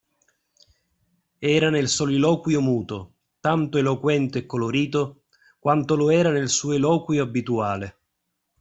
Era nel soliloquio muto, tanto eloquente e colorito, quanto lo era nel suo eloquio abituale.